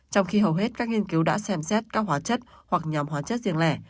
trong khi hầu hết các nghiên cứu đã xem xét các hóa chất hoặc nhóm hóa chất riêng lẻ